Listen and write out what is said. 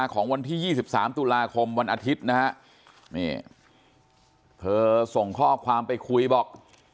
ของวันที่๒๓ตุลาคมวันอาทิตย์นะฮะนี่เธอส่งข้อความไปคุยบอก